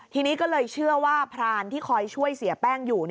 ทีนี้ก็เลยเชื่อว่าพรานที่คอยช่วยเสียแป้งอยู่